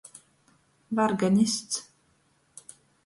Varganists.